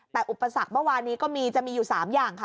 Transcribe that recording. แต่อุปสรรคเมื่อวานนี้ก็มีจะมีอยู่๓อย่างค่ะ